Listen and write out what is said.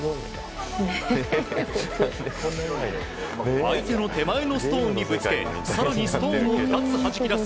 相手の手前のストーンにぶつけ更にストーンを２つはじき出す